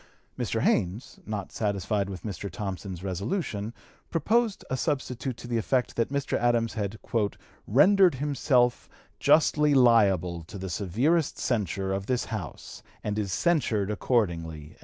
Mr. Haynes, not satisfied with Mr. Thompson's resolution, proposed a substitute to the effect that Mr. Adams had "rendered himself justly liable to the severest censure of this House and is censured accordingly."